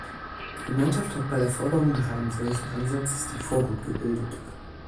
Die Gemeinschaft hat bei der Forderung nach einem solchen Ansatzes die Vorhut gebildet.